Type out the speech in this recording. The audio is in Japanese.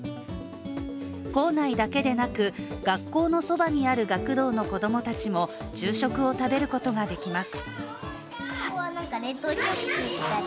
校内だけでなく、学校のそばにある学童の子供たちも昼食を食べることができます。